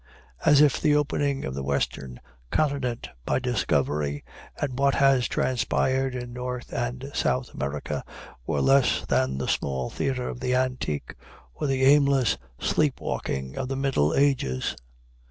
As if the opening of the western continent by discovery, and what has transpired in North and South America, were less than the small theater of the antique, or the aimless sleep walking of the middle ages!)